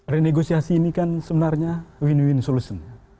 renegosiasi ini kan sebenarnya win win solution